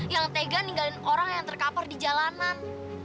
yang tega ninggalin orang yang terkapar di jalanan